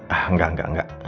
ah enggak enggak enggak